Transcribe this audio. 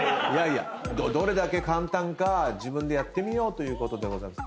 どれだけ簡単か自分でやってみようということでございます。